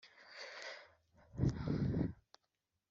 Umujyi wa Kigali Icyo cyicaro gishobora